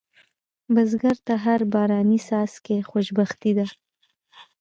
بزګر ته هر باراني څاڅکی خوشبختي ده